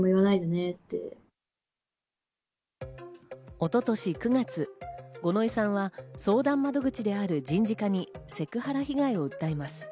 一昨年９月、五ノ井さんは相談窓口である人事課にセクハラ被害を訴えます。